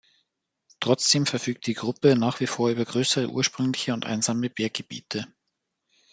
Trotzdem verfügt die Gruppe nach wie vor über größere ursprüngliche und einsame Berggebiete.